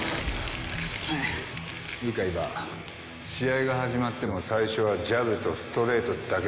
試合が始まっても最初はジャブとストレートだけでいい。